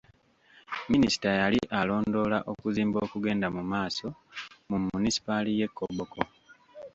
Minisita yali alondoola okuzimba okugenda mu maaso mu munisipaali y'e Koboko.